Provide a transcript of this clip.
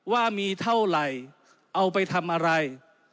ว่ามีเท่าไหร่เอาไปทำอะไร